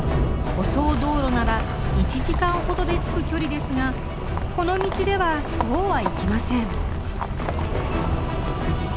舗装道路なら１時間ほどで着く距離ですがこの道ではそうはいきません。